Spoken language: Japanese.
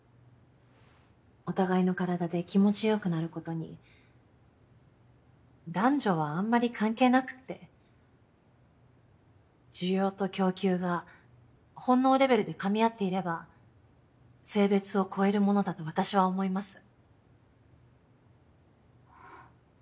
お互いの体で気持ちよくなることに男女はあんまり関係なくって需要と供給が本能レベルでかみ合っていれば性別を超えるものだと私は思います。